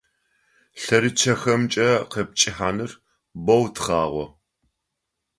ЛъэрычъэхэмкӀэ къэпчъыхьаныр боу тхъагъо.